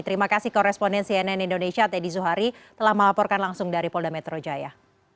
terima kasih koresponden cnn indonesia teddy zuhari telah melaporkan langsung dari polda metro jaya